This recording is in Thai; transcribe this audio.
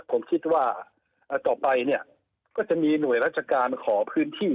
ผมคิดว่าต่อไปเนี่ยก็จะมีหน่วยราชการขอพื้นที่